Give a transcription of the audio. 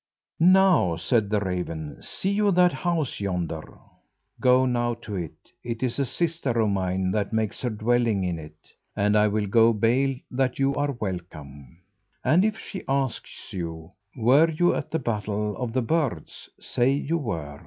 "Now," said the raven, "see you that house yonder? Go now to it. It is a sister of mine that makes her dwelling in it; and I will go bail that you are welcome. And if she asks you, Were you at the battle of the birds? say you were.